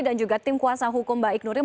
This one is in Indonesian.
dan juga tim kuasa hukum baik nuril